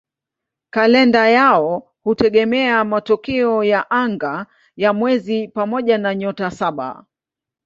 Kalenda yao hutegemea matukio ya anga ya mwezi pamoja na "Nyota Saba".